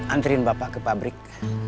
antriin bapak ke pabrik